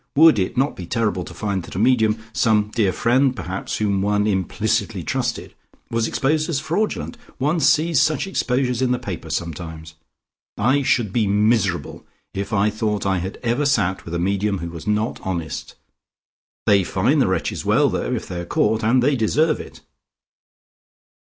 "Would it not be terrible to find that a medium, some dear friend perhaps, whom one implicitly trusted, was exposed as fraudulent? One sees such exposures in the paper sometimes. I should be miserable if I thought I had ever sat with a medium who was not honest. They fine the wretches well, though, if they are caught, and they deserve it."